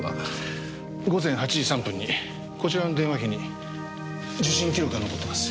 午前８時３分にこちらの電話機に受信記録が残ってます。